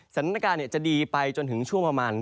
สถานการณ์จะดีไปจนถึงช่วงประมาณ